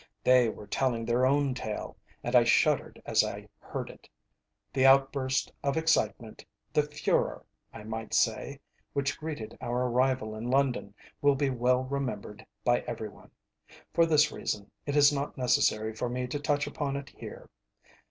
They were telling their own tale, and I shuddered as I heard it. The outburst of excitement, the furore, I might say, which greeted our arrival in London will be well remembered by every one; for this reason it is not necessary for me to touch upon it here.